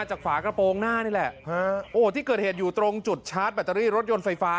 ฝากระโปรงหน้านี่แหละฮะโอ้โหที่เกิดเหตุอยู่ตรงจุดชาร์จแบตเตอรี่รถยนต์ไฟฟ้า